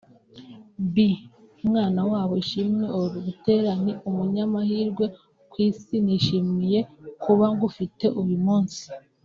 B (umwana wabo Ishimwe Or Butera) ni umunyamahirwe ku Isi nishimiye kuba ngufite uyu munsi…”